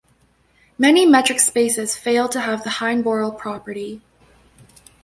Many metric spaces fail to have the Heine-Borel property.